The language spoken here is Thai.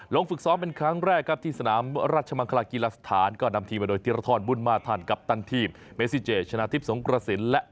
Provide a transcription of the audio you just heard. ฝึกซ้อมเป็นครั้งแรกครับที่สนามราชมังคลากีฬาสถานก็นำทีมมาโดยธิรทรบุญมาทันกัปตันทีมเมซิเจชนะทิพย์สงกระสินและ